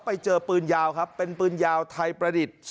ไปเจอปืนยาวครับเป็นปืนยาวไทยประดิษฐ์